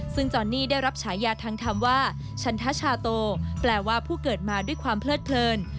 ซึ่งจอนนี่ได้รับฉายาทางธรรมว่าชันทชาโตแปลว่าผู้เกิดมาด้วยความเพลิดเพลิน